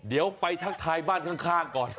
เดี๋ยวไปทักทายบ้านข้างก่อน